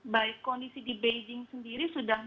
baik kondisi di beijing sendiri sudah